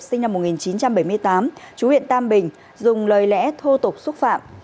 sinh năm một nghìn chín trăm bảy mươi tám chú huyện tam bình dùng lời lẽ thô tục xúc phạm